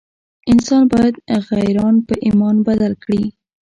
انسان باید غیران په ایمان بدل کړي.